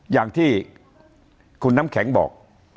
อย่างที่คุณน้ำแข็งบอก